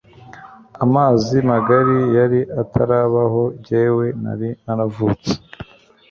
amazi magari yari atarabaho jyewe nari naravutse